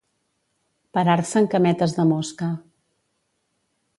Parar-se en cametes de mosca.